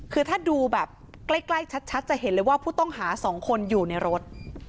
คือถ้าดูแบบใกล้ชัดจะเห็นเลยว่าผู้ต้องหา๒คนอยู่ในรถ